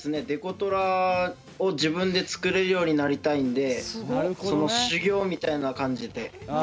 デコトラを自分で作れるようになりたいんでその修業みたいな感じで。